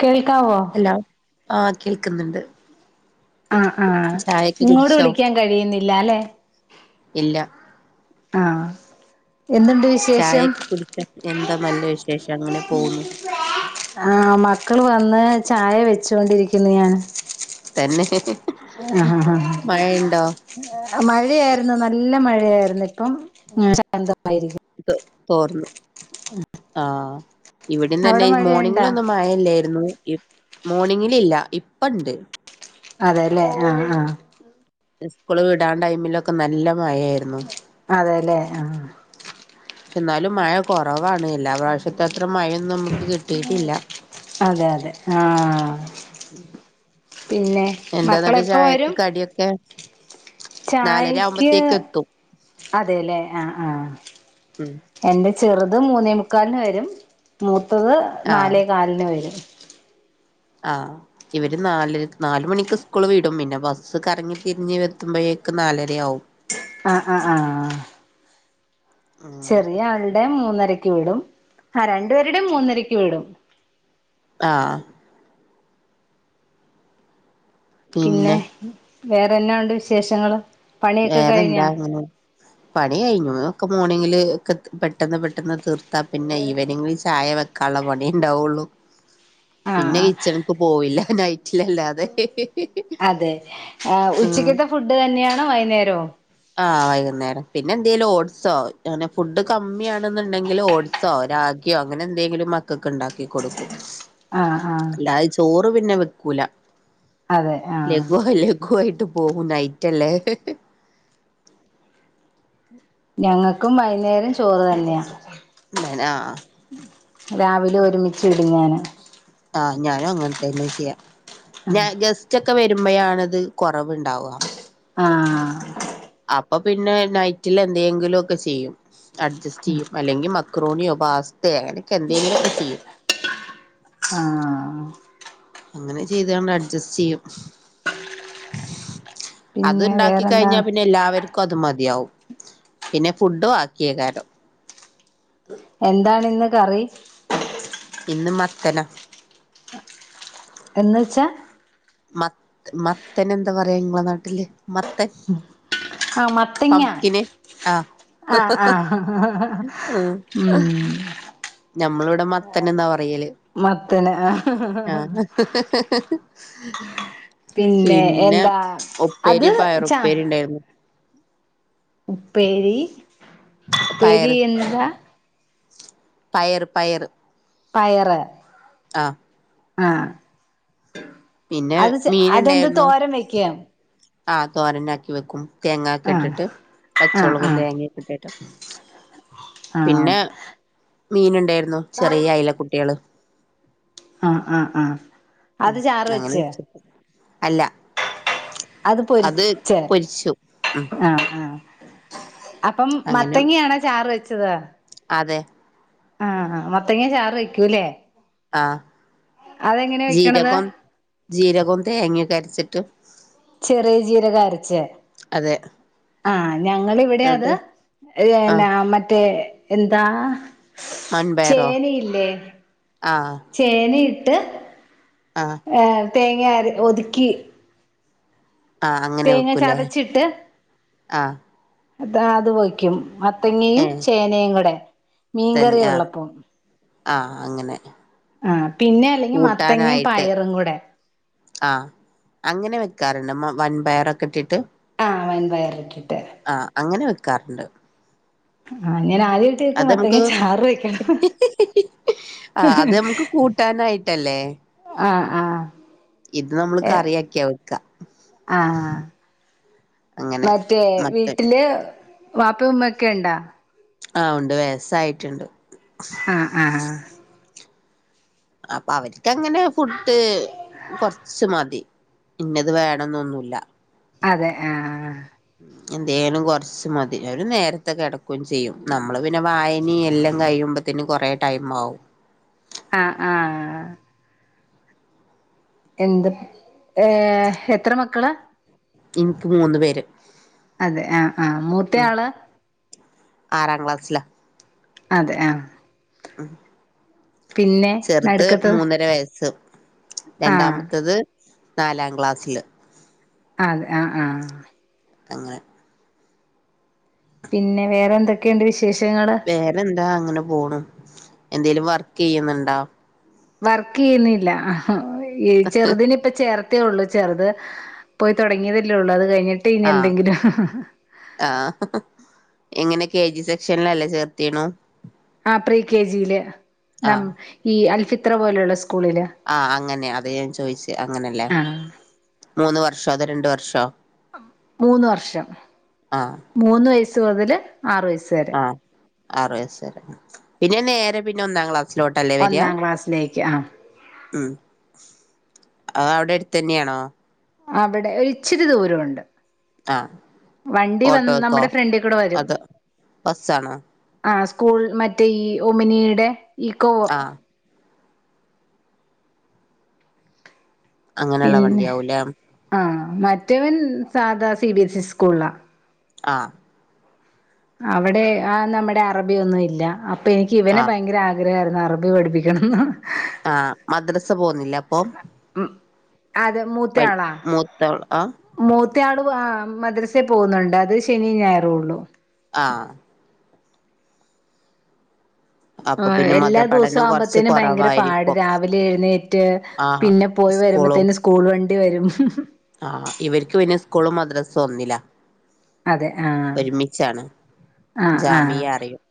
കേൾക്കാവോ? ഹലോ ആഹ് കേൾക്ക്ന്നി ണ്ട് ആഹ് ആഹ് ഇങ്ങോട്ടു വിളിക്കാൻ കഴിയുന്നില്ല ല്ലേ ഇല്ല ആഹ് എന്തുണ്ട് വിശേഷം ചായൊക്കെ കുടിച്ചോ എന്താ നല്ല വിശേഷം അങ്ങനെ പോകുന്നു ആഹ് മക്കള് വന്ന് ചായ യോയിച്ചോണ്ട് രിക്കുന്നു ഞാൻ തന്നെ മഴ യിണ്ടോ മഴയായിരുന്നു നല്ല മഴയായിരുന്നു ഇപ്പം ശാന്തമായിരിക്കും തോ- തോർന്നു ആ ഇവിടെന്ന് അവിടെ തന്നെ മഴയുണ്ടാ മോർണിങ്ങിലൊന്നും മഴയില്ലായിരുന്നു മോർണിങ്ങിൽ ഇല്ല ഇപ്പ ഇണ്ട് അതെല്ലേ ആഹ് ആ സ്കൂൾ വിടാം ടൈമിലൊക്കെ നല്ലം അതെല്ലേ ആഹ് പക്ഷേ ഇന്നാലും മഴ കുറവാണ്. എല്ലാ പ്രശത്തെ അത്ര ഒന്നും മഴയൊന്നും നമുക്ക് കിട്ടിയിട്ടില്ല അതെ അതെ ആഹ് പിന്നെ, എന്താന്നിട്ട് മക്കളെപ്പോ ചായക്ക് വരും? കടിയൊക്കെ നാലര ചായക്ക് ആവുമ്പോത്തേക്ക് എത്തും അതെല്ലേ ആ ആ ഉം എന്റെ ചെറുതു മൂന്നേ മുക്കാലിന്‌ വരും. മൂത്തത് നാലേ കാലിന് വരും. ആ ഇവര് നാല്- നാലു മണിക് സ്കൂളു വീടും. പിന്നെ ബസ് കറങ്ങി ത്തിരിഞ്ഞെത്തുമ്പോഴേക്ക് നാലരയാവും ആഹ് ആഹ് അങ്ങനെ ചെറിയ ആളുടെ മൂന്നരക്ക് വിടും ആഹ് രണ്ടു പേരുടെയും മൂന്നരക്ക് വിടും. ആഹ് പിന്നെ വേറെന്നായുണ്ടു വിശേഷങ്ങള് പണിയൊക്കെ വേറെന്താ കഴിഞ്ഞാ അങ്ങനെ പണി കഴിഞ്ഞു അതൊക്കെ ഒക്കെ മോർണിങ്ങില് ഇതൊക്കെ പെട്ടെന്നു പെട്ടെന്നു തീർത്താ പിന്നെ ഈവനിംഗിൽ ചായ വെക്കാനുള്ള പണിയെ ഉണ്ടാവുള്ളു. പിന്നെ ആഹ് കിച്ചണക്ക് പോവില്ല നൈ അതെ ആഹ് ഉം ഉച്ചക്കത്തെ ഫുഡു തന്നെയാണോ വൈന്നേരവും ആഹ് വൈകുന്നേരം പിന്നെ എന്തേലും ഓഡ്സോ അങ്ങനെ ഫുഡ് കമ്മിയാണെന്നുണ്ടെങ്കില് ഓഡ്സോ റാഗിയോ അങ്ങനെ എന്തെങ്കിലും മക്കക്ക് ഉണ്ടാക്കി കൊടുക്കും. ആഹ് ആഹ് ഇപ്പ പിന്നെ വെക്കൂല അതെ ആഹ് ലഘുവ ലഘുവായി പോവും നൈറ്റ് അല്ലെ ഞങ്ങൾക്കും വൈന്നേരംചോറ് തന്നെയാ ഇന്തേനാ രാവിലെ ഒരുമിച്ചിടും ഞാന് ആ ഞാനു അങ്ങനെതന്നെ ചെയ്യാ ഞാൻ ജസ്റ്റ് ഒക്കെ വരുമ്പോഴണത് കുറവുണ്ടാവുക ആഹ് അപ്പൊ പിന്നെനൈറ്റിലെന്തെങ്കിലുവൊക്കെ ചെയ്യും. അഡ്ജസ്റ്റ് ചെയ്യും അല്ലെങ്കി മക്രോണിയോ പാസ്തയ ഇടയ്ക്ക് എന്തെങ്കിലുമെക്കെ ചെയ്യും ആ ആ അങ്ങനെ ചെയ്തണ്ട് അഡ്ജസ്റ്റ് ചെയ്യും അത് പിന്നെ ഉണ്ടാക്കി കഴിഞ്ഞാ വേറെന്താണ് പിന്നെ എല്ലാവർക്കും അത് മതി ടിയാവും പിന്നെ ഫുഡ് ബാക്കിയെകാരം എന്താണിന്ന്കറി ഇന്നുമത്തനാ എന്ന് വച്ചാ മത്ത മത്തനെന്താ പറയാ ഇമ്മള നാട്ടില് മത്തൻ പപ്ക്കിന് ആ ആ ആ ഉം ഞമ്മളിവിടെ മത്തനെന്നാ പറയല് മത്തന് ആഹ പിന്നെ അത് ഉപ്പേരി ച പയറുപ്പേരിണ്ടായിരുന്നു. ഉപ്പേരി ഉപ്പേരി പയറ് എന്താ പയറ് പയറ് പയറ് ആഹ് ആഹ് പിന്നെ അത് അതെന്ത് മീനുണ്ടായിരുന്നു തോരൻ വെക്ക ആ തോരനാക്കി വെക്കും. തേങ്ങായൊക്കെ ആഹ് ഇട്ടിട്ട് ആഹ് പച്ചമുളകും, ആഹ് തേങ്ങയൊക്കെഇട്ട് ആഹ് പിന്നെ മീൻ ഉണ്ടായിരുന്നു ചെറിയ അയില കുട്ടികള് ആഹ് ആഹ് ആഹ് ഉം അതു ചാറു അങ്ങനെ വെച്ച്. വെച്ചു അല്ല അത് പൊരിച്ചു. ഉം ആഹ് ആഹ് അപ്പം അങ്ങനെ മത്തങ്ങയാണോ ചാറുവെച്ചത്. അതെ ആഹ് മത്തങ്ങ ചാറ് വയ്ക്കൂല്ലേ ആഹ് വെക്കണത് ജീരകം ജീരകോം തേങ്ങയൊക്കെ അരച്ചിട്ട് ചെറിയജീരകം അരച്ച്. അതെ ആ ഞങ്ങളിവിടെ അത് എന്നിട്ട് ആഹ് പിന്നെ മറ്റേ എന്താ മൺപയറോ ചേനയില്ലേ ആഹ് ചേനയിട്ട് ആഹ് ട്ട് തേങ്ങ അര ഒതുക്കി. ആഹ് അങ്ങനെ തേങ്ങ വെക്കൂലേ ചതച്ചിട്ട് ആഹ് അത അത് വയ്ക്കും ഏ മത്തങ്ങയും ചേനയും കൂടെ തന്നെ മീൻകറിയെ ആ ഉള്ളപ്പോ ആ അങ്ങനെ ആ പിന്നെ അല്ലെങ്കി മത്തങ്ങയും പയറും കൂടെ ആഹ് അങ്ങനെ വെക്കാറുണ്ട് വൻപയർ ഒക്കെ ഇട്ടിട്ട്. ആഹ് വൻപയറിട്ടിട്ട് ആ അങ്ങനെ വെക്കാറുണ്ട് ആ അത് നമക്ക് ആ അത് നമുക്ക് കൂട്ടാനായിട്ട് ട്ടല്ലേ ആഹ് ആഹ് ഇത് നമ്മൾള് കറിയാക്കിയാവെ ആഹ അങ്ങനെ മറ്റേ മത്തൻ വീട്ടില് വാപ്പ ഉമ്മ ഒക്കെ ഉണ്ടാ ആഹ് ഉണ്ട് വയസ്സ് ആയിട്ടുണ്ട്. ഉം ഉം അപ്പൊ അവർക്ക് അങ്ങനെ ഫുഡ് കൊറച്ച് മതി ഇന്നത് വേണമെന്നൊന്നുമില്ല. അതെ ആഹ് എന്തോലും കൊറച്ചു മതി അവരെ നേരത്തെ കിടക്കുകയും ചെയ്യും, നമ്മള് പിന്നെ വായനയും എല്ലാം കഴിയുമ്പോ. ത്തിനും കുറെ ടൈം ആവും. ആഹ് ആഹ് ആഹ് എന്ത് ഏഹ് എത്ര മക്കളാ. എനിക്കു മൂന്നുപേരെ. അതെ ആ ആഹ് മൂത്ത ആള് ആറാം ക്ലാസ്സിലാ അതെ ആഹ് ആഹ് പിന്നെ ചെറുത് നടുക്കത്തത് മൂന്നര വയസ്സും. ആഹ് രണ്ടാമത്തത് നാലാം ക്ലാസില് അതെ ആഹ് ആഹ് അങ്ങനെ പിന്നെ വേറെന്തൊക്കെയുണ്ട് വി വേറെന്താ അങ്ങനെ പോണ് എന്തേലും വർക്ക് ചെയ്യുന്നുണ്ടോ. വർക്ക് ചെയ്യുന്നില്ല ഈ ചെറുതിനെ ഇപ്പ ചേർത്തേ ഉള്ളു ചെറുത് പോയി തുടങ്ങിയതല്ലേ ഉള്ളൂ. കഴിഞ്ഞിട്ട് ഇനി ആഹ് എന്തെങ്കിലും ആഹ് എങ്ങനെ കെ ജി സെക്ഷനിലല്ലേ ചേർത്തിയേണു ആ പ്രീ കെജിയില് നം ആഹ് ഈ അൽഫിത്ര പോലെയുള്ള സ്കൂ ആഹ് അങ്ങനെ അതേ ഞാൻ ചോദിച്ച അങ്ങനെയല്ലേ. ആഹ് മൂന്ന് വർഷവോ അതോ രണ്ട് വർഷവോ. മൂന്ന് വർഷം മൂന്ന് വയസ്സ് മുതല്. ആറ് വയസ്സ് വരെ ആഹ ആറു വയസ് വരെ പിന്നെ നേരെ പിന്നെ ഒന്നാം ക്ലാസ് ഒന്നാം ക്ലാസ്സിലേക്ക് ആഹ്. ഉം അത് അവിടെ അടുത്ത് തന്നെയാണോ. അവിടെ ഇച്ചിരി ദൂരമുണ്ട്. ആഹ് വണ്ടി വാൻ ഓട്ടോക്കോ നമ്മുടെ ഫ്രണ്ടിൽ കൂടി വരും അതോ ബസ്സാണോ ആഹ്. സ്കൂൾ മറ്റേ ഈ ഓമിനിയുടെ ഈക്കോവ്. ആഹ് അങ്ങനെയുള്ള പിന്നെ വണ്ടിയാവൂലേ ആഹ് മറ്റേവൻ സാധാ സി ബിഎസ് ഇ സ്കൂളിലാ ആഹ് അവിടെ ആഹ് നമ്മുടെ അറബിയൊന്നും ഇല്ല അപ്പൊ എനിക്ക് ഇവനെ ആഹ് ഭയങ്കര ആഗ്രഹമായിരുന്നു അറബി പഠിപ്പിക്കണന്ന് ആഹ് മദ്രസ പോന്നില്ല അപ്പൊ ഉം അതെ വൽ മൂത്തയാളാണ് മൂത്ത ആഹ് മൂത്തയാള് വ മദ്രസ പോകുന്നുണ്ട് അത് ശനിയും ഞായറും ഉള്ളൂ. ആഹ് അപ്പൊ ആഹ് പിന്നെ മത എല്ലാ പഠനം കുറച്ച് ദിവസമാകുമ്പത്തേന് ഭയങ്കര പാട് കുറവായിരിക്കും രാവിലെ എഴുന്നേറ്റ് ആഹ് പിന്നെ പോയി. സ്കൂളും വരുമ്പോത്തേന് സ്കൂൾ വണ്ടി വരും ആഹ് ഇവർക്ക് പിന്നെ സ്കൂളും മദ്രാസും ഒന്നുമില്ല. അതെ ആഹ് ആഹ് ആഹ് ജാമിയ അറിയും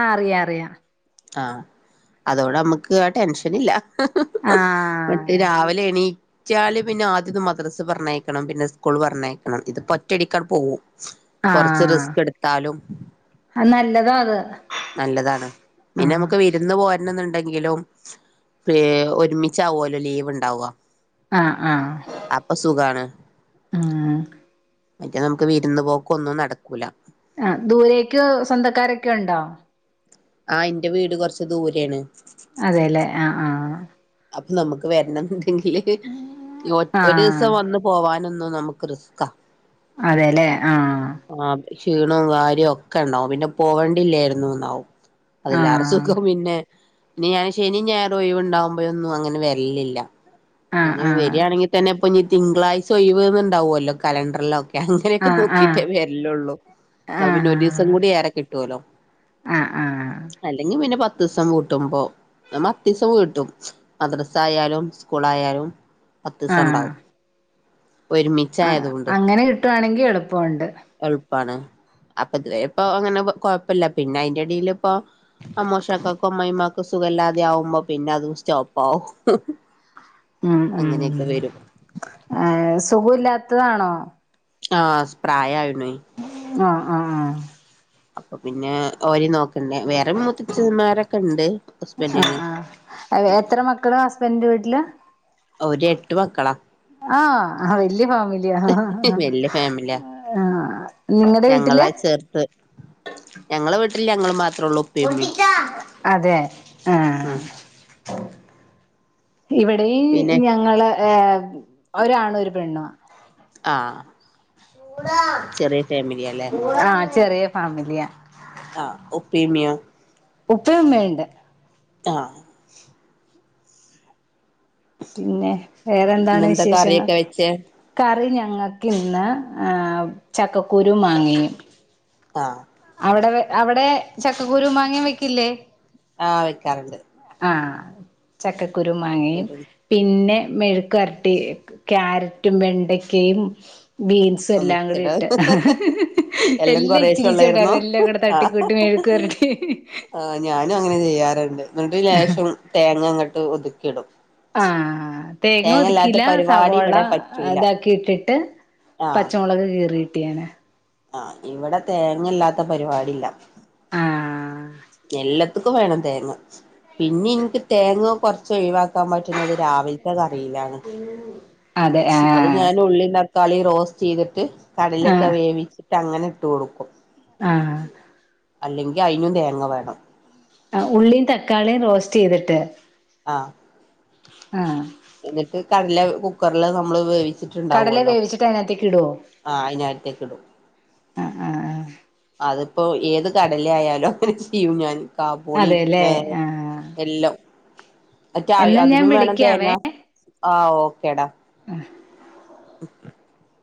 ആഹ് അറിയാ അറിയാം ആഹ് അതൊണ്ട് നമുക്ക് ആഹ് ടെൻഷൻ ഇല്ല ആ മറ്റേ രാവിലെ എണീ ച്ചാല് പിന്നെ ആദ്യം മദ്രസ പറഞ്ഞയക്കണം പിന്നെ സ്കൂൾ പറഞ്ഞയക്കണം ഇതിപ്പോ ഒറ്റയടിക്ക് അങ്ങ് പോകും. ആ കൊറച്ച് റിസ്ക് എടുത്താലും അത് നല്ലതാ അത് നല്ലതാണ്. ആ പിന്നെ നമുക്ക് വിരുന്ന് പോക്കാന്. എന്നുണ്ടെങ്കിലും പോ ഒരുമിച്ചാവുല്ലോ ലീവ് ഉണ്ടാവാ. ആ ആ അപ്പൊ സുഖാണ് ഉം മറ്റേ നമുക്ക് വിരുന്ന് പോക്കൊന്നും നടക്കൂല. ആഹ് ദൂരേക്ക് സ്വന്തക്കാരൊക്കെ ഇണ്ടോ ആ എന്റെ വീട് കുറച്ച് ദൂരെയാണ്. അതെല്ലേ ആ ആ അപ്പൊ നമുക്ക് വേണമെന്നുണ്ടെങ്കിൽ ഒ ആ ഒരു ദിവസം വന്ന് പോവായെന്ന്. എന്ന നമുക്ക് റിസ്കാ. അതേല്ലേ ആഹ് ആ ക്ഷീണവും കാര്യയൊക്കെ ഉണ്ടാവും പിന്നെ പോവേണ്ടില്ലായിരുന്നുന്നാവും. ആ അതില്ലാരു സുഖം പിന്നെ ഇനി ഞാൻ ശനിയും ഞായറും ഒയിവുണ്ടാവ ഇപ്പോഴൊന്നും അങ്ങനെ വരലില്ല ആ അങ്ങനെ ആ വരാണെങ്കിൽ തന്നെ. അപ്പോ ഇനി തിങ്കളാഴ്ച ഒയിവ്ന്നണ്ടാവുല്ലോ കലണ്ടറിലൊ അങ്ങനെയൊക്കെ ആഹ് ആഹ് നോക്കിട്ടേ വരില്ലുള്ളൂ എന്നാ പിന്നെ ആഹ് ഒരു ദിവസം കൂടി ഏറെ കിട്ടൂലോ ആഹ് ആഹ് അല്ലെങ്കിൽ പിന്നെ പത്ത ഡിസം വിട്ടുമ്പോ ഞാൻ മദിസം വിട്ടും മദ്രസ്സ ആയാലും സ്കൂൾ ആയാലും. പത്ത് ദിവസം ആഹ് ഉണ്ടാവും ആഹ് ഒരുമിച്ചായതു കൊണ്ട് അങ്ങനെ കിട്ടുവാണെങ്കി എളുപ്പമുണ്ട് എൾ പ്പാണ് അപ്പൊ ഇതുവരെ ഇപ്പ അങ്ങനെ കൊഴപ്പല്ല പിന്നെ അയിന്റെ അടിയിലും. പ്പോ അമ്മോഷാക്കാക്കും അമ്മായി മ്മാ സുഖല്ലാതെ ആവുമ്പോ പിന്നെ അതും സ്റ്റോപ്പാവും ഉം ഉം ആ സുഖൊ ഇല്ലാത്തതാണോ ആഹ് പ്രായായിണുവേയ് ആഹ് ആഹ് ആഹ് അപ്പൊ പിന്നെ ഓരിം നോക് വെറെ മുത്തച്ചന്മാരൊക്കെ ഇണ്ട് ഹസ്ബൻ്റിന് ആഹ് എത്ര മക്കള് ഹസ്ബൻ്റി ന്റെ വീട്ടില് അവര് എട്ട് മക്കളാ ആഹ് വല്യ ഫാ മിലിയാ, വല്യ ഫാമിലിയാ നിങ്ങടെ വീട്ടില്. ഞങ്ങളാ ചേർത്ത് ഞങ്ങളെ വീട്ടില് ഞങ്ങള് മാത്ര അതെ ആ ഉം ഇവിടെയും പിന്നെ ഞങ്ങള് ഏ ഒരാണും ഒരു പെണ്ണു ആ ആഹ് ചെറിയ ഫാമിലിയാല്ലേ ആഹ്, ചെറിയ ഫാമിലിയാ. ആ, ഉപ്പീമിയ. ഉപ്പേം ഉമ്മേംണ്ട് ആഹ് പിന്നെ വേറെന്താണ് ഇന്നെന്താ വിശേഷങ്ങൾ കറിയൊക്കെ വെച്ചേ കറിഞ്ഞ ഞങ്ങൾക്ക് ഇന്ന് ചക്കക്കുരുവും മാങ്ങയും ആ. അവടെ അവടെ ചക്കക്കുരും മാങ്ങയും വെക്കില്ലേ. ആഹ് വെക്കാറുണ്ട് ആ, ചക്കക്കുരും, മാങ്ങയും, ഒരു പിന്നെ മെഴുക്ക് വരട്ടി ക്യാരറ്റും വെണ്ടക്കയും ബീൻസ് എല്ലാം കൂടി മിക്സഡ് ഇട്ട് എല്ലാം കൊറേശെ ഇച്ചിരി ഉള്ളായിരുന്നോ ച്ചണ്ടായിരുന്ന എല്ലാം കൂടെ ആഹ് തട്ടിക്കൂട്ടി മെഴുക്ക് വരട്ടി ആഹ് ഞാനും അങ്ങനെ ചെയ്യാറുണ്ട് എന്നിട്ട് ലേശം തേങ്ങ അങ്ങട്ട് ഒതുക്കി ഇടും ആഹ് തേങ്ങ ഒതുക്കില പരിപാടി സവോള ഇവിടെ പറ്റൂല ഇതാക്കിട്ടിട്ട് പച്ചമുളക് കീറി ട്ടിയാണ് ആ ഇവിടെ തേങ്ങയില്ലാത്ത പരിപാടിയില്ല ആഹ് എല്ലാ ഏത്ക്കും വേണം തേങ്ങ പിന്നിം ഇനിക്ക് തേങ്ങ കൊറച്ച് ഒയ് വാക്കാൻ പറ്റുന്നത് രാവിലത്തെ ക [unintelligible] അത് ആഹ് ഞാൻ ഉള്ളിയും തക്കാളിയും റോസ്റ്റ് ചെയ്തിട്ട് കടലയൊക്കെ ആഹ് വേവിച്ചി ട്ടങ്ങനെ ഇട്ട് കൊടുക്കും ആഹ് അല്ലെങ്കി അയിനും തേങ്ങ വേണം ആ ഉള്ളിയും തക്കാളിയും റോസ്റ്റ് ചെയ്തിട്ട് ആഹ് ആഹ് എന്നിട്ട് കടല കുക്കറില് നമ്മള് വേവി കടല ച്ച്ട്ട്ണ്ടാവൊല്ലോ വേവിച്ചിട്ട് അതിനകത്തേക്ക് ഇടുവോ ആ അയിനകത്തേക്ക് ഇടും ആ ആ ആ അതിപ്പോ ഏത് കടല ആയാലും അങ്ങനെ ചെയ്യും. ഞാൻ കാബോളി അതെല്ലേ നേ ആഹ് എല്ലാം എന്നാ ഞാൻ അക്കഅതിനും വേണം തേങ്ങ വിളിക്കാവേ ആ ഓക്കേടാ. [unintelligible] ഉം